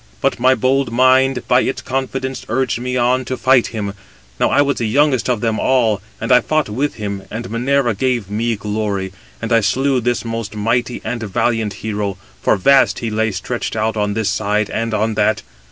But my bold mind, by its confidence, urged me on to fight him: now I was the youngest of them all; and I fought with him, and Minerva gave me glory. And I slew this most mighty and valiant hero, for vast he lay stretched out on this side and on that.